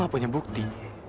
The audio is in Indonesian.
saya punya bukti